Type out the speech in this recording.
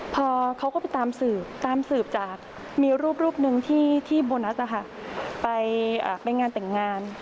พอเขาก็ไปตามสืบตามสืบจากมีรูปหนึ่งที่โบนัสไปงานแต่งงาน